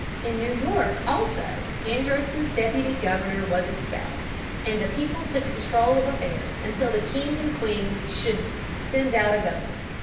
In New York also Andros's deputy governor was expelled, and the people took control of affairs until the king and queen should send out a governor.